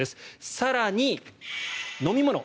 更に、飲み物。